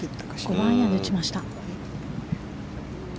５番アイアンで打ちました。